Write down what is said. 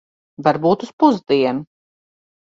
Varbūt uz pusdienu.